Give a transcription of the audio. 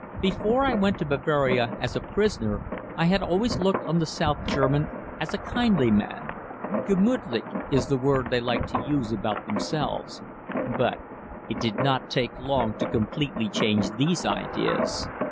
Before I went to Bavaria as a prisoner, I had always looked on the South German as a kindly man "gemütlich" is the word they like to use about themselves but it did not take long to completely change these ideas.